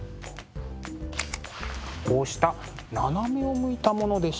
こうした斜めを向いたものでした。